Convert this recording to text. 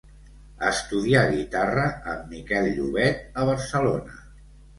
Estudià guitarra amb Miquel Llobet a Barcelona.